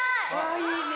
あいいね。